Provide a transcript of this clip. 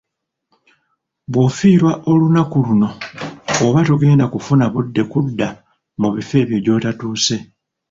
Bw'ofiirwa olunaku luno, oba togenda kufuna budde kudda mu bifo ebyo gy'otatuuse.